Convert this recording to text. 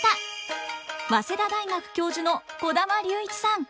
早稲田大学教授の児玉竜一さん。